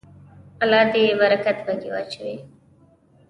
الله دې برکت پکې واچوي.